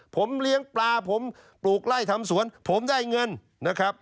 ผมเลี้ยงปลาผมปลูกไล่ทำสวนผมได้เงินนะครับ